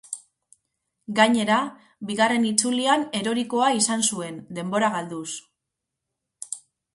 Gainera, bigarren itzulian erorikoa izan zuen, denbora galduz.